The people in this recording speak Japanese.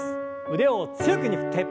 腕を強く振って。